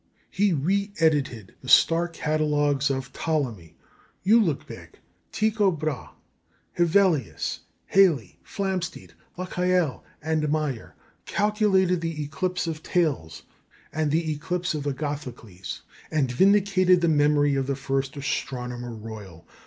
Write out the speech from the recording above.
He re edited the star catalogues of Ptolemy, Ulugh Beigh, Tycho Brahe, Hevelius, Halley, Flamsteed, Lacaille, and Mayer; calculated the eclipse of Thales and the eclipse of Agathocles, and vindicated the memory of the first Astronomer Royal.